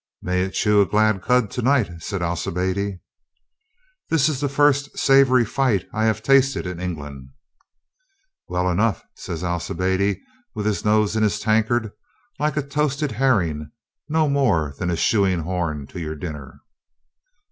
"May it chew a glad cud to night," says Alci biade. 26o COLONEL GREATHEART "This is the first savory fight I have tasted in England," "Well enough," says Alcibiade, with his nose in the tankard, "like a toasted herring — no more than a shoeing horn to your dinner."